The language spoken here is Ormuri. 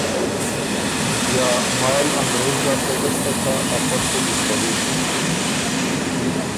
یا مال انګرېز لاسته ګستک هۀ ا فه ل سو ګِستوی